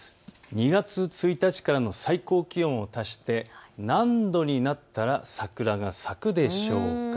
２月１日からの最高気温を足して何度になったら桜が咲くでしょうか。